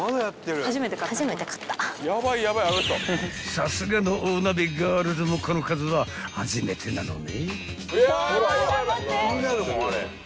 ［さすがの大鍋ガールズもこの数は初めてなのね］